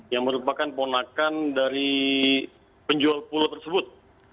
yang merupakan ponakan dari penjual pulau tersebut